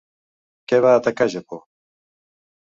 Què va atacar Japó?